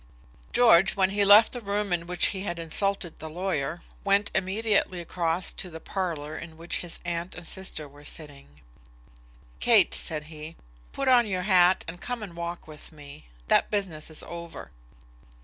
George when he left the room in which he had insulted the lawyer, went immediately across to the parlour in which his aunt and sister were sitting. "Kate," said he, "put on your hat and come and walk with me. That business is over."